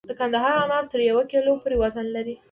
د کندهار انار تر یو کیلو پورې وزن لري.